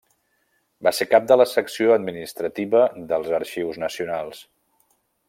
Va ser cap de la Secció Administrativa dels Arxius Nacionals.